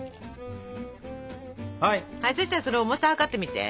そしたらそれ重さ量ってみて。